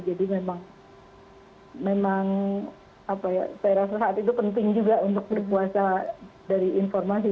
jadi memang memang saya rasa saat itu penting juga untuk berpuasa dari informasi